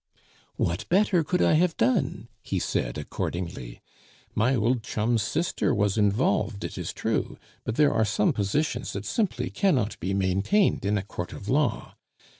"What better could I have done?" he said accordingly. "My old chum's sister was involved, it is true, but there are some positions that simply cannot be maintained in a court of law.